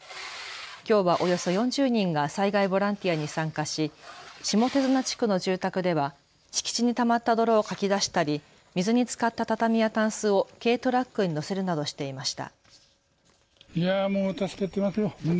きょうはおよそ４０人が災害ボランティアに参加し下手綱地区の住宅では敷地にたまった泥をかき出したり水につかった畳やたんすを軽トラックに載せるなどしていました。